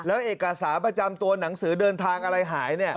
แล้วเอกสารประจำตัวหนังสือเดินทางอะไรหาย